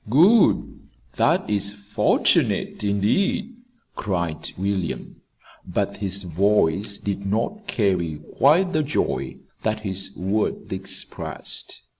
"Good! That is fortunate, indeed," cried William; but his voice did not carry quite the joy that his words expressed.